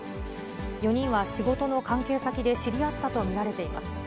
４人は仕事の関係先で知り合ったと見られています。